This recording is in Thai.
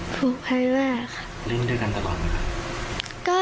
ผูกพันมากค่ะ